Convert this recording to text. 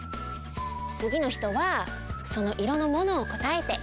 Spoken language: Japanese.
つぎの人はそのいろのものをこたえて。